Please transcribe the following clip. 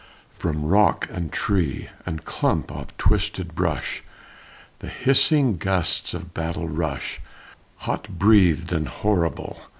From rock and tree and clump of twisted brush The hissing gusts of battle rush, Hot breathed and horrible!